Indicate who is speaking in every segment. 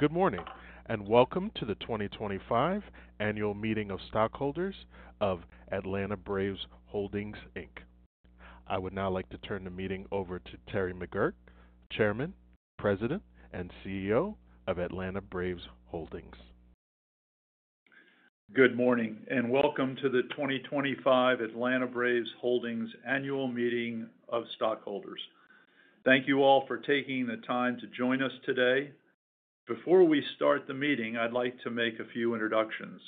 Speaker 1: Good morning, and welcome to the 2025 Annual Meeting of Stockholders of Atlanta Braves Holdings. I would now like to turn the meeting over to Terry McGuirk, Chairman, President, and CEO of Atlanta Braves Holdings.
Speaker 2: Good morning, and welcome to the 2025 Atlanta Braves Holdings Annual Meeting of Stockholders. Thank you all for taking the time to join us today. Before we start the meeting, I'd like to make a few introductions.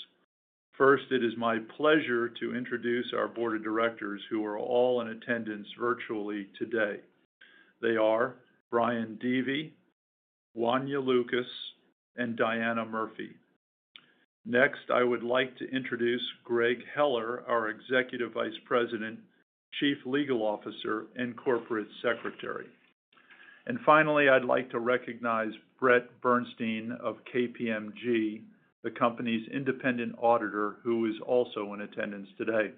Speaker 2: First, it is my pleasure to introduce our Board of Directors, who are all in attendance virtually today. They are Brian Deevy, Wonya Lucas, and Diana Murphy. Next, I would like to introduce Greg Heller, our Executive Vice President, Chief Legal Officer, and Corporate Secretary. Finally, I'd like to recognize Brett Bernstein of KPMG, the company's independent auditor, who is also in attendance today.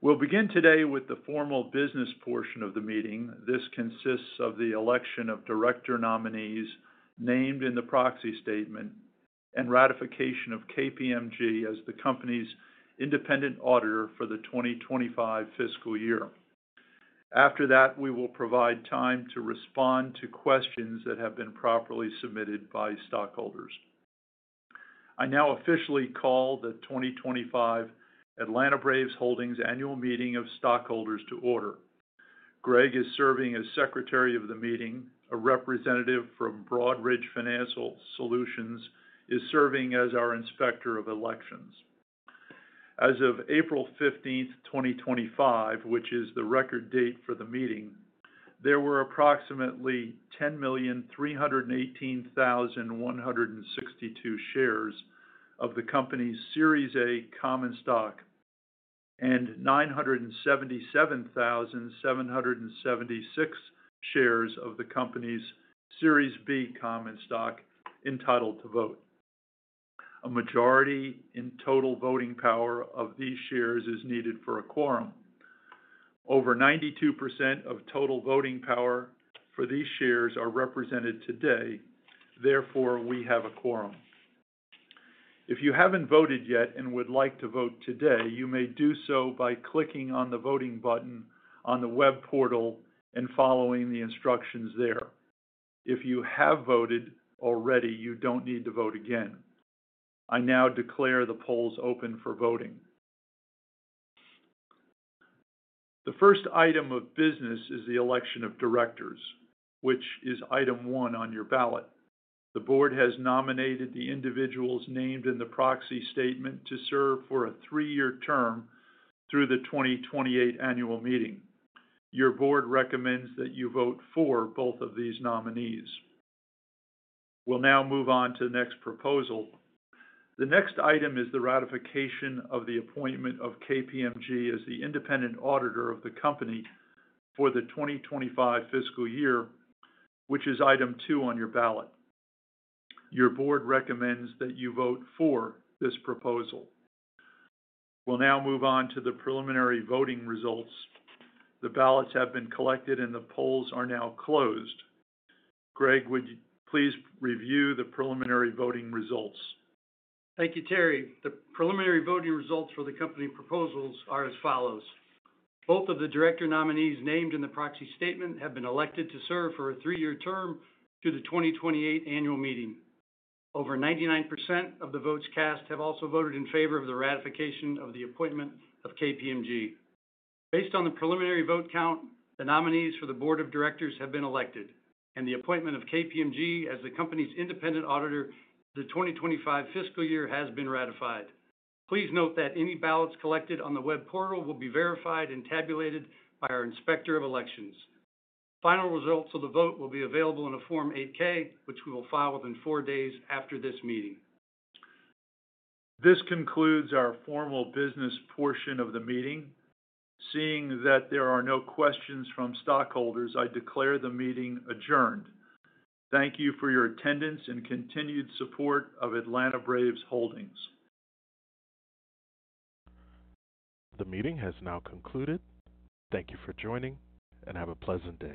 Speaker 2: We'll begin today with the formal business portion of the meeting. This consists of the election of director nominees named in the proxy statement and ratification of KPMG as the company's independent auditor for the 2025 fiscal year. After that, we will provide time to respond to questions that have been properly submitted by stockholders. I now officially call the 2025 Atlanta Braves Holdings Annual Meeting of Stockholders to order. Greg is serving as Secretary of the Meeting, a representative from Broadridge Financial Solutions is serving as our Inspector of Elections. As of April 15, 2025, which is the record date for the meeting, there were approximately 10,318,162 shares of the company's Series A common stock and 977,776 shares of the company's Series B common stock entitled to vote. A majority in total voting power of these shares is needed for a quorum. Over 92% of total voting power for these shares are represented today. Therefore, we have a quorum. If you haven't voted yet and would like to vote today, you may do so by clicking on the voting button on the web portal and following the instructions there. If you have voted already, you don't need to vote again. I now declare the polls open for voting. The first item of business is the election of directors, which is item one on your ballot. The board has nominated the individuals named in the proxy statement to serve for a three-year term through the 2028 Annual Meeting. Your board recommends that you vote for both of these nominees. We'll now move on to the next proposal. The next item is the ratification of the appointment of KPMG as the independent auditor of the company for the 2025 fiscal year, which is item two on your ballot. Your board recommends that you vote for this proposal. We'll now move on to the preliminary voting results. The ballots have been collected, and the polls are now closed. Greg, would you please review the preliminary voting results?
Speaker 3: Thank you, Terry. The preliminary voting results for the company proposals are as follows. Both of the director nominees named in the proxy statement have been elected to serve for a three-year term through the 2028 Annual Meeting. Over 99% of the votes cast have also voted in favor of the ratification of the appointment of KPMG. Based on the preliminary vote count, the nominees for the Board of Directors have been elected, and the appointment of KPMG as the company's independent auditor for the 2025 fiscal year has been ratified. Please note that any ballots collected on the web portal will be verified and tabulated by our Inspector of Elections. Final results of the vote will be available in a Form 8-K, which we will file within four days after this meeting.
Speaker 2: This concludes our formal business portion of the meeting. Seeing that there are no questions from stockholders, I declare the meeting adjourned. Thank you for your attendance and continued support of Atlanta Braves Holdings.
Speaker 1: The meeting has now concluded. Thank you for joining, and have a pleasant day.